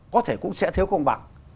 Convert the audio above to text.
có thể cũng sẽ thiếu không bằng